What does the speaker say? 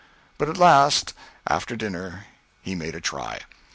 But at last, after dinner, he made a try.